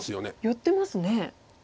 寄ってますね。